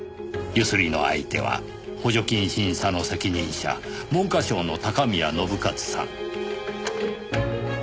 強請りの相手は補助金審査の責任者文科省の高宮信一さん。